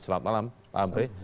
selamat malam pak hamfrey